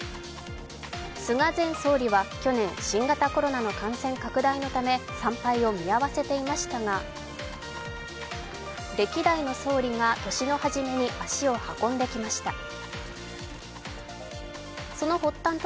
菅前総理は去年、新型コロナの感染拡大のため参拝を見合わせていましたが歴代の総理が年のはじめに足を運んできました。